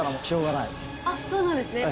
そうなんですね。